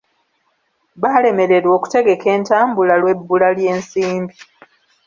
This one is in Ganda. Baalemererwa okutegeka entambula lw'ebbula ly'ensimbi.